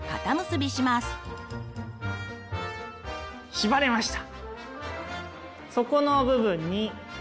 縛れました。